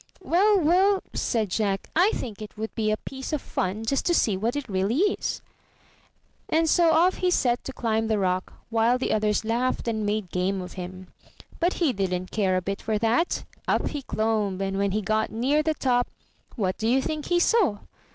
'Well, well," said Jack, "I think it would be a piece of fun just to see what it really is." And so off he set to climb the rock, while the others laughed and made game of him. But he didn't care a bit for that; up he clomb, and when he got near the top, what do you think he saw?